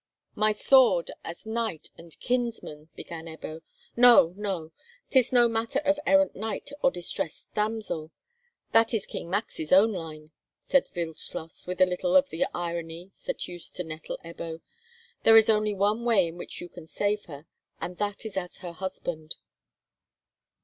"My sword as knight and kinsman—" began Ebbo. "No, no; 'tis no matter of errant knight or distressed damsel. That is King Max's own line!" said Wildschloss, with a little of the irony that used to nettle Ebbo. "There is only one way in which you can save her, and that is as her husband."